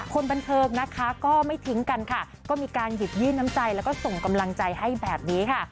คนบันเทิงนะคะก็ไม่ทิ้งกันค่ะก็มีการหยิบยื่นน้ำใจแล้วก็ส่งกำลังใจให้แบบนี้ค่ะ